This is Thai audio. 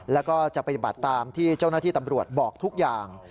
แล้วก็จะปฏิบัติตามที่เจ้าหน้าที่ตำรวจบอกทุกอย่าง